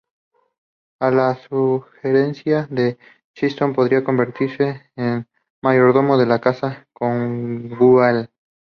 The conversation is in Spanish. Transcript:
A la sugerencia de que Crichton podría convertirse en mayordomo de su casa conyugal.